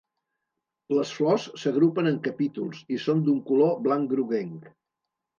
Les flors s'agrupen en capítols i són d'un color blanc-groguenc.